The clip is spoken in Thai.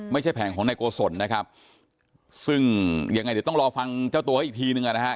ไม่ใช่แผงของในโกสนนะครับซึ่งยังไงเดี๋ยวต้องรอฟังเจ้าตัวให้อีกทีหนึ่งนะครับ